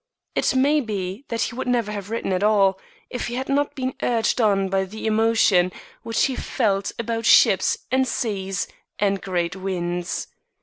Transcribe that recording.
It may be that he would never have written at all if he had not been urged on by the emotion which he felt about ships and seas and great winds.